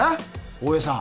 大江さん